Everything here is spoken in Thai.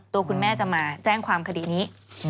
ตัวคุณแม่จะมาแจ้งความคดีนี้